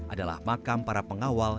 adalah makam para pengawal